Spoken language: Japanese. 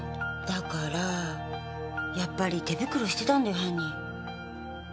だからやっぱり手袋してたんだよ犯人。